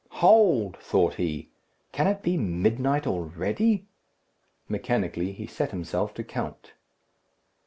"Hold," thought he; "can it be midnight already?" Mechanically he set himself to count.